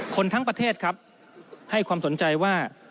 คนทั้งประเทศครับให้ความสนใจว่า